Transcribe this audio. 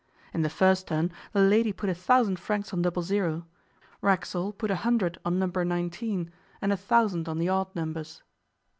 In the first turn the lady put a thousand francs on double zero; Racksole put a hundred on number nineteen and a thousand on the odd numbers.